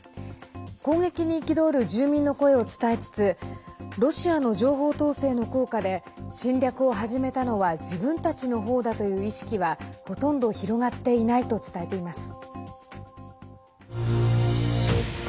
攻撃に憤る住民の声を伝えつつロシアの情報統制の効果で侵略を始めたのは自分たちのほうだという意識はほとんど広がっていないと伝えています。